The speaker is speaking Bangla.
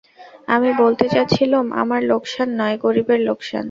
আমি বলতে যাচ্ছিলুম, আমার লোকসান নয়, গরিবের লোকসান।